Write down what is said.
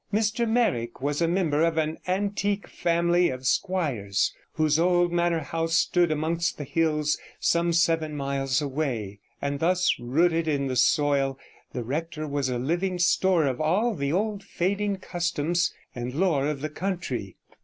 Mr Meyrick was a member of an antique family of squires, whose old manor house stood amongst the hills some seven miles away, and thus rooted in the soil, the rector was a living store of all the old fading customs and lore of the country.